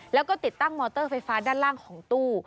แล้วก็ติดตั้งมอเตอร์ไฟฟ้าด้านล่างของตู้